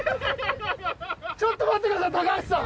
ちょっと待ってください高橋さん！